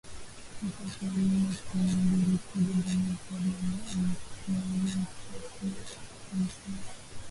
nafasi ya nne nchinimbiliTwiga ndani ya Hifadhi ya MikumiInapatikana katika Mkoa